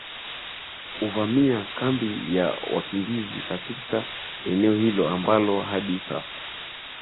uvamia kambi ya wakimbizi katika eneo hilo ambalo hadi sasa